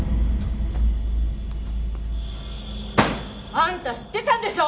あんた知ってたんでしょ？